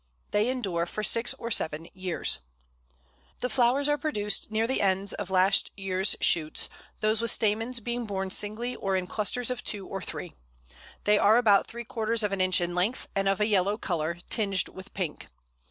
They endure for six or seven years. [Illustration: Spruce Fir.] The flowers are produced near the ends of last year's shoots, those with stamens being borne singly or in clusters of two or three. They are about three quarters of an inch in length, and of a yellow colour, tinged with pink.